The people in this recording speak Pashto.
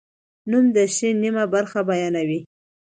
نوم د شي نیمه برخه بیانوي.